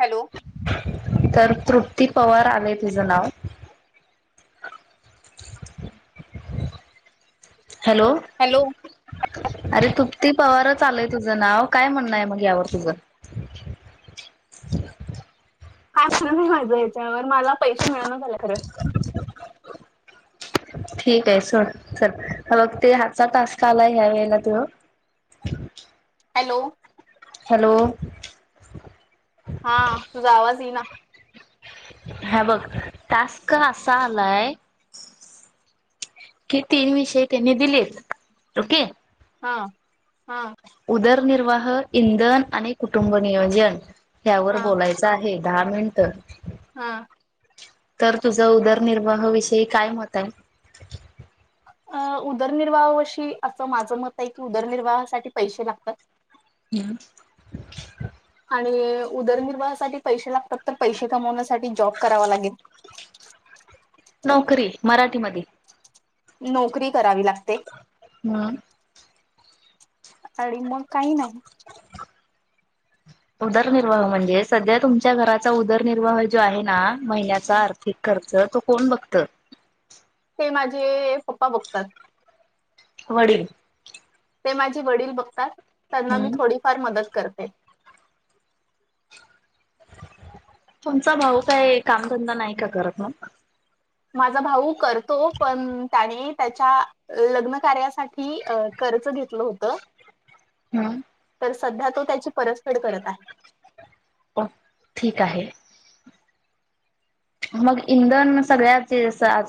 Hello? Tripti Pawar ਆ ਤਜ ਨਾਵ ਹੈਲੋ ਅਰੇ ਤੂੰ ਤੀ ਪਵਾਰ ਚ ਆਲਏ ਤ ਤੁਜ ਨਾਵ ਕਈ ਮੰਣਾ ਹੈ ਮਗ ਯਵ ਤਜ ਖਰ ਨਹੀਂ ਮਜ ਹ ਵ ਮਲ ਪੈਸੇ ਮਿਲਣਾ ਚ ਖਰ ਠੀਕ ਹੈ ਸਰਣ ਚਲ ਬ ਤੇ ਹ ਚ ਟਾਸਕ ਆਲਾ ਹ ਵਲਾ ਤਂ ਹੈਲੋ? ਹੈਲੋ? ਹਾਂ ਤੂੰ ਆਵਾਜ਼ ਹੀਈ ਨਾ ਹਂ ਬਗ ਟਾਸਕ ਅਾ ਹਲਾਏ ਕੀ ਤੀਨ ਵਿਸ਼ੇ ਨੇ ਦਿੱਲੀ ਓਕੇ ਹਾਂ ਉਧਰ ਨਿਰਵਾਹ ਇੰਧਨ ਕ ਕੁਟਬ ਨਿਯੋਜਨ ਹ ਵ ਬੋਲਾਇ ਚ ਹੈ ਦਾਹ ਮਿੰਟ ਹਾਂ ਤਾਂ ਤ ਤੁਜਾ ਉਦਰਨਿਰਵਾਹ ਵਿਸ਼ੇੀ ਕਈ ਮਤ ਆਈ ਅ ਉਦਰਨਿਰਵਾਹਾ ਵਸ਼ੀ ਅ ਮਝ ਮਤ ਹੈ ਕਿ ਉਦਰਨਿਰਵਾਹਾ ਸਾ ਪੈਸੇ ਲਗਤ ਹਮ [unintelligible] ਉਦਰਨਿਰਵਾਹਾ ਸਾ ਪੈਸੇ ਲਗ ਪੈਸੇ ਕਮ ਸਾ ਜ ਜੋਬ ਕਰਵਾ ਲਗੇ ਨੌਕਰੀ ਮਰਾਠ ਮ ਨੌਕਰੀ ਕਰਾ ਵੀ ਲਗਤੇ ਹਮ ਅ ਮਗ ਕਈ ਨਹੀਂ ਉਦਰਨਿਰਵਾਹੇ ਸਧ ਤੁਮ ਘਰ ਚ ਉਦਰਨਿਰਵਾਹ ਜੋ ਹੈ ਨਾ ਮਹੀਨਿਆਂ ਚ ਆਰਥਿਕ ਕਰ ਸਰ ਤੂੰ ਕੋਣ ਬਗਤ ਮੇ ਪਪਾ ਬਗਤ ਵੜ ਤੇ ਮਜੇ ਵੜਲ ਬਗਤ ਮੀ ਥੋੜੀ ਫਾਰ ਮਦਦ ਕਰ ਕਰਕੇ ਤੁਮ ਚ ਭਊ ਕਈ ਕੰਮ ਧੰਦਾਾ ਨਹੀਂ ਕ ਕਰਤ ਮ ਮਾ ਭਊ ਕਰ ਤੋਂੋ ਪ ਤ ਨੇ ਲਗਨ ਕਾਰਿਆ ਸਾ ਅ ਕਰਜ਼ ਘਤਲ ਹੋਤ ਹਮ ਸਧਾ ਤ ਪਰਸਫੜ ਕਰ ਹੈ ਠੀਕ ਹੈ ਮਗ ਇੰਧਨ ਸਗ ਜ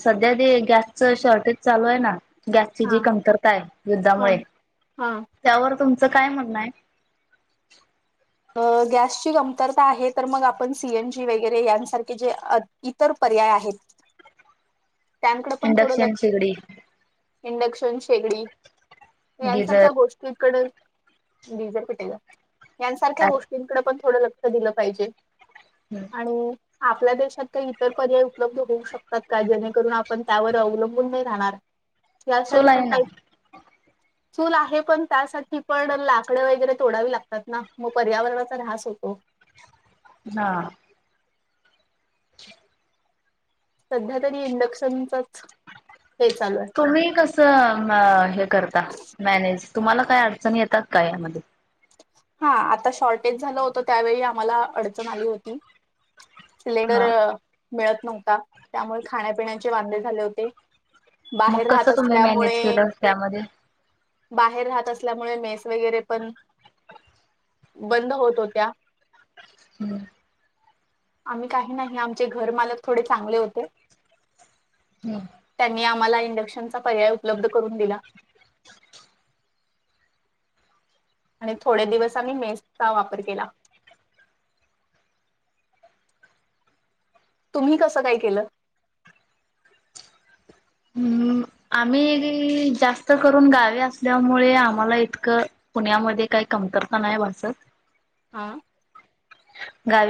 ਸਧਿਆ ਦੀ ਗੈਸ ਚ ਸ਼ੋਰਟੇਜ ਚਾਲੂ ਹੈ ਨਾ ਗੈਸ ਚ ਜੀ ਕਮਤਰਤਾ ਹੈ ਯੁੱਧਾ ਮੁ ਤੁਮ ਚ ਕਈ ਮੁਣਾ ਹੈ ਅ ਗੈਸ ਚ ਕਮਤਰਤਾ ਹੈ ਤਾਂ ਮ ਆਪ ਸੀ ਐਨ ਜੀ ਵਗੈਰੇਯ ਸਾਰਕੇੇ ਜੇ ਇਤਰ ਪਰਿਆਏ ਹੈ ਇੰਡਕਸ਼ਨ ਸ਼ਿਗੜੀ ਇੰਡਕਸ਼ਨ ਸ਼ੇਗੜ ਸਾਰਖਾ ਗੋਸ਼ਟੀਕੜ ਡੀਜ਼ਰ ਪਟੇ ਦਾ ਗ [unintelligible] ਥੋੜਾ ਲ ਪਾੇ ਆ ਆਪਣੇ ਦੇਸ਼ਤ ਕਈ ਇਤਰ ਪਰਿਆਏ ਉਪਲਬਧ ਹੋ ਸ਼ਕਤ ਕ ਜੇੇ ਕਰ ਆਪਾਂ ਅਵਲਬਨ ਨਹੀਂ ਰਹਿਣਾ ਯ ਸਾ ਪ ਕਈ ਚੂਲ ਹੈ ਪ ਸਾ ਪ ਲਕੜ ਵਗੈਰੇ ਤੋੜਾ ਵੀ ਲਗਤ ਨਾ ਮ ਪਰਿਆਵਰਣਾ ਚ ਢਸ ਹੋਤੋ ਹਾਂ [unintelligible] ਸਧਿਆ ਤਰੀ ਇੰਡਕਸ਼ਨ ਚ ਤ ਕਸ ਅ ਕਰਤਾ ਮੈਨੇਜ ਤਮ ਕਈ ਅੜਚਣ ਯਤ ਕ [unintelligible] ਹਾਂ ।ਆ ਸ਼ੋਰਟੇਜਲ ਹੋਤ ਤਾਂ ਵ ਆਮ ਅੜਚਣ ਆਲੀ ਹੋਤੀ ਸਿਲਿੰਡਰ ਮਿਲਤ ਨਵਤਾ ਮੁ ਖਾਣੇ -ਪੀਣ ਚ ਬਾਂਦੇੇਲੇ ਹੋਦੇ। ਮਗ ਕਸ ਤੁੇ ਮੈਨੇਜ ਕੇਲ ਮ ਬਾਹਰ ਰਤ ਅਿਆ ਮੁ ਮੇਸ ਵਗੈਰੇ ਪ ਬੰਦ ਹੋਤ- ਹੋਤ ਹਮ, ਆ ਕਹੀ ਨਹੀਂ ਆਮ ਘਰ ਮਲਕ ਥੋੜੇ ਚਾਂਗਲੇ ਹੋਤੇ [unintelligible] ਹਮ। ਮ ਇੰਡਕਸ਼ਨ ਪਰਿਆ ਉਪਲਬਧ ਕਰ ਦਿਲਾ। ਥੋੜੇ ਦਿਵਸ ਆ ਮੇਸ ਦਾ ਵਪਰ ਕੇਲਾ ਤੁਮਂ ਕਸ ਕਈ ਕੇਲ ਹਮ ਆ ਜਾਸਤ ਕਰਨ ਗਾਵੇ ਅਿਆ ਮੁ ਆਮ ਇਤਕ ਪੁਣ ਮ ਕਈ ਕਮਤਰਤਾ ਨਹੀਂ ਭਸਤ ਹਾਂ। ਗ